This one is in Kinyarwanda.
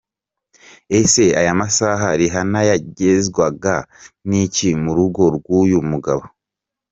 Ese aya masaha Rihanna yagenzwaga n’iki mu rugo rw'uyu mugabo?? .